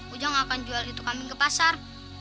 ujang akan jual itu kambing ke pasar